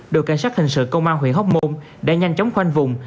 đội cảnh sát hình sự công an huyện hóc môn đã nhanh chóng khoanh vùng